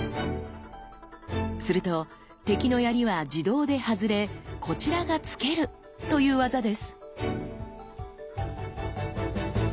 すると敵の槍は自動で外れこちらが突けるという技です。